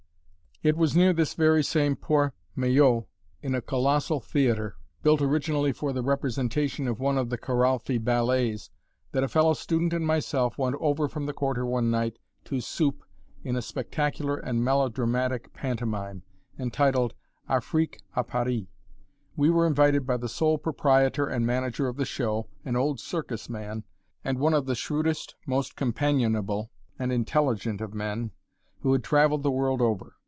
It was near this very same Port Maillot, in a colossal theater, built originally for the representation of one of the Kiralfy ballets, that a fellow student and myself went over from the Quarter one night to "supe" in a spectacular and melodramatic pantomime, entitled "Afrique à Paris." We were invited by the sole proprietor and manager of the show an old circus man, and one of the shrewdest, most companionable, and intelligent of men, who had traveled the world over.